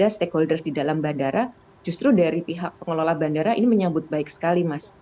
stakeholders di dalam bandara justru dari pihak pengelola bandara ini menyambut baik sekali mas